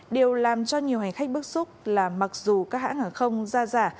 điều làm cho nhiều hành khách bức xúc là mặc dù các hãng hàng không ra giả